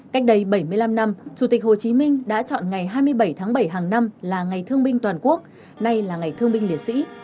cách đây bảy mươi năm năm chủ tịch hồ chí minh đã chọn ngày hai mươi bảy tháng bảy hàng năm là ngày thương binh toàn quốc nay là ngày thương binh liệt sĩ